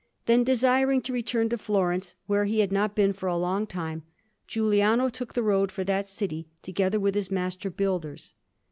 Then, desiring to return to Florence, where he had not been for a long time, Giuliano took the road for that city together with his master builders.